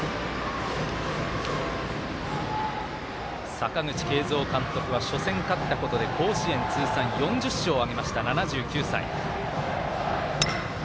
阪口慶三監督は初戦勝ったことで甲子園通算４０勝挙げました７９歳。